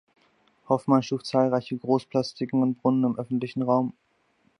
Hoffmann schuf zahlreiche Großplastiken und Brunnen im öffentlichen Raum.